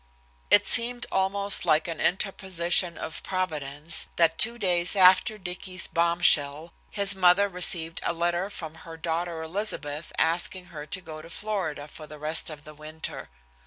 It seemed almost like an interposition of Providence that two days after Dicky's bombshell, his mother received a letter from her daughter Elizabeth asking her to go to Florida for the rest of the winter.